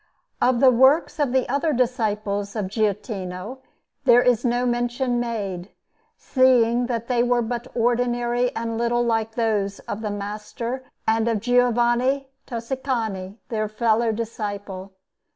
Of the works of the other disciples of Giottino there is no mention made, seeing that they were but ordinary and little like those of the master and of Giovanni Tossicani, their fellow disciple.